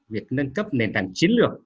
việc nâng cấp nền tảng chiến lược